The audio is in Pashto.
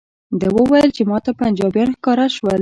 ده وویل چې ماته پنجابیان ښکاره شول.